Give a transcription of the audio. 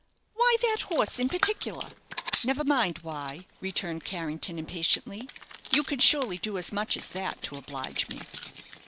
"Why that horse in particular?" "Never mind why," returned Carrington, impatiently. "You can surely do as much as that to oblige me."